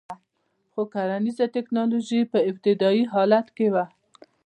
خو کرنیزه ټکنالوژي په ابتدايي حالت کې وه